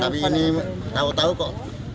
tapi ini tahu tahu kok